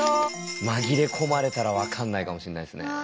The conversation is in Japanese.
紛れ込まれたら分かんないかもしんないっすね。